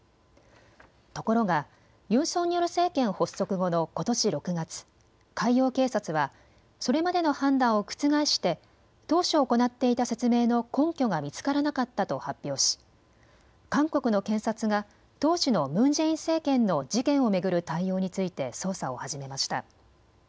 ところがユン・ソンニョル政権発足後のことし６月、海洋警察はそれまでの判断を覆して当初行っていた説明の根拠が見つからなかったと発表し、韓国の検察が当時のムン・ジェイン政権の事件を巡る対応について捜査を始めました。